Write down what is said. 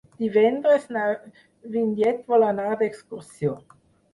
Divendres na Vinyet vol anar d'excursió.